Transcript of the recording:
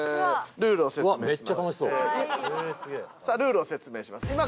さぁルールを説明します。